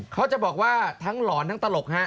เขาจะบอกว่าทั้งหลอนทั้งตลกฮะ